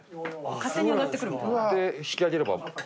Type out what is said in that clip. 引き上げれば。